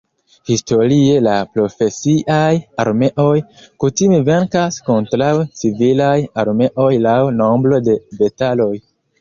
Historie la profesiaj armeoj kutime venkas kontraŭ civilaj armeoj laŭ nombro de bataloj.